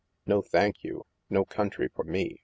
No, thank you. No country for me.